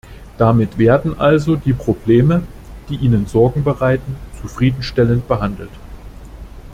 Damit werden also die Probleme, die Ihnen Sorgen bereiten, zufrieden stellend behandelt.